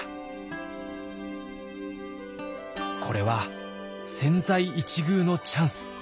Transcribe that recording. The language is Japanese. これは千載一遇のチャンス。